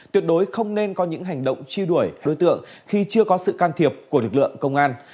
tuyệt đối không nên có những hành động truy đuổi đối tượng khi chưa có sự can thiệp của lực lượng công an